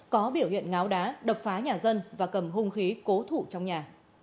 có biểu hiện ngáo đá đập phá nhà dân và cầm hung khí cố thủ trong nhà